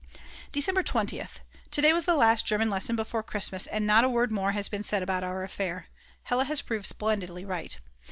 December 20th. To day was the last German lesson before Christmas, and not a word more has been said about our affair. Hella has proved splendidly right.